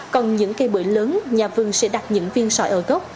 còn những cây bưởi lớn nhà vườn sẽ đặt những viên sỏi ở gốc